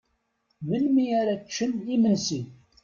Melmi ara ččen imensi?